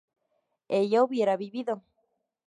¿ella hubiera vivido?